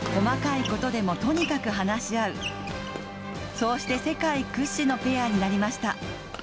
そうして世界屈指のペアになりました。